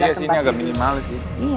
ya sini agak minimal sih